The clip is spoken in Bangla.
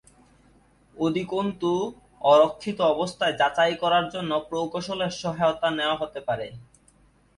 অধিকন্তু অরক্ষিত অবস্থা যাচাই করার জন্য প্রকৌশলের সহায়তা নেওয়া হতে পারে।